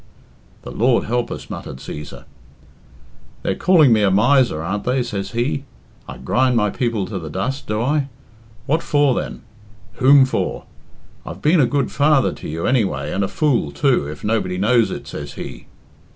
"The Lord help us!" muttered Cæsar. "'They're calling me a miser, aren't they?' says he. 'I grind my people to the dust, do I? What for, then? Whom for? I've been a good father to you, anyway, and a fool, too, if nobody knows it!' says he."